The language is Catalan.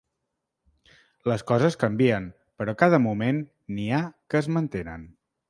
Les coses canvien, però cada moment n'hi ha que es mantenen.